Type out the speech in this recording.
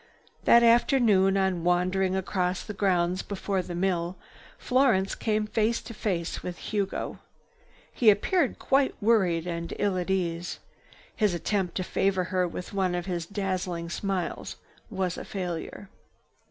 That afternoon, on wandering across the grounds before the mill, Florence came face to face with Hugo. He appeared quite worried and ill at ease. His attempt to favor her with one of his dazzling smiles was a failure.